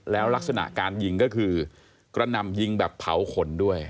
แล้วลักษณะการยิงก็คือกระหน่ำยิงแบบเผาขนด้วย